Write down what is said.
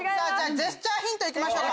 ジェスチャーヒント行きましょうか。